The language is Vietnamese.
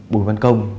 bùi văn công